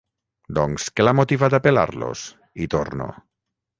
Doncs què l'ha motivat a pelar-los? —hi torno.